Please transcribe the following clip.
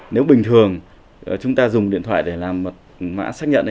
nếu bình thường chúng ta dùng điện thoại để làm một mã xác nhận